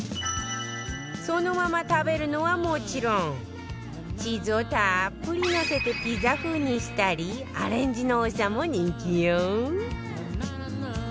そのまま食べるのはもちろんチーズをたっぷりのせてピザ風にしたりアレンジの多さも人気よ